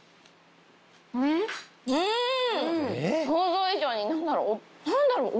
想像以上に何だろう？